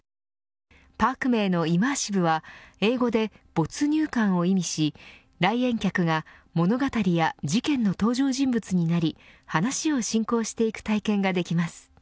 パーク名のイマーシブは英語で没入感を意味し来園客が物語や事件の登場人物になり話を進行していく体験ができます。